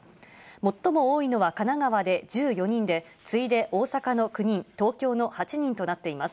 最も多いのは神奈川で１４人で、次いで大阪の９人、東京の８人となっています。